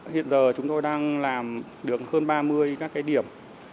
hiện giờ chúng tôi đang làm được hơn ba mươi các cái điểm